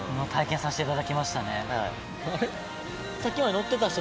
あれ？